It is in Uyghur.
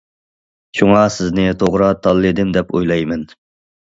شۇڭا سىزنى توغرا تاللىدىم دەپ ئويلايمەن.